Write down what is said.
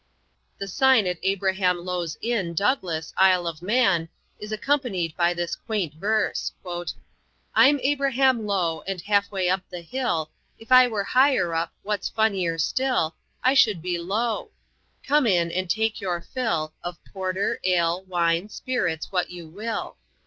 The sign at Abraham Lowe's inn, Douglas, Isle of Man, is accompanied by this quaint verse: "I'm Abraham Lowe, and half way up the hill, If I were higher up wat's funnier still, I should be Lowe. Come in and take your fill Of porter, ale, wine, spirits what you will.